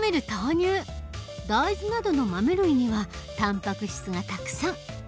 大豆などの豆類にはたんぱく質がたくさん。